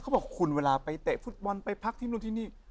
บอกคุณเวลาไปเตะฟุตบอลไปพักที่นู่นที่นี่